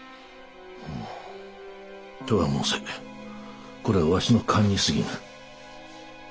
ほうとは申せこれはわしの勘に過ぎぬ。